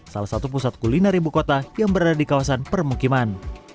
salah satu pusat kuliner ibu kota yang berada di kawasan permukiman